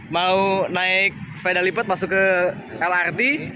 mau naik sepeda lipat masuk ke lrt